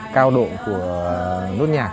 cao độ của nốt nhạc